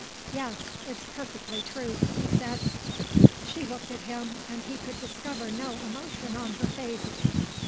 "Yes: it's perfectly true," he said. She looked at him and he could discover no emotion on her face.